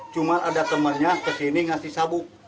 cuma ada temannya kesini ngasih sabuk